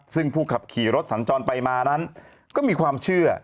ซึ่งผู้ขับขี่รถสัญจรไปมานั้นก็มีความเชื่อ